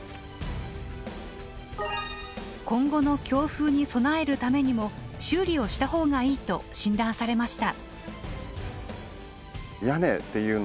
今後の強風に備えるためにも修理をした方がいいと診断されました。